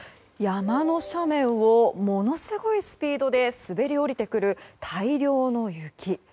山の斜面をものすごいスピードで滑り降りてくる大量の雪。